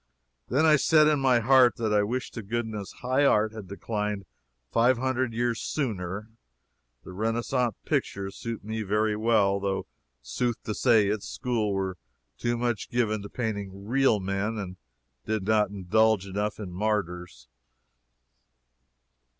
Then I said, in my heat, that I "wished to goodness high art had declined five hundred years sooner." The Renaissance pictures suit me very well, though sooth to say its school were too much given to painting real men and did not indulge enough in martyrs.